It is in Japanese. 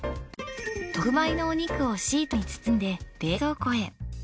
特売のお肉をシートに包んで冷蔵庫へ。